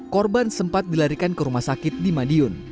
korban sempat dilarikan ke rumah sakit di madiun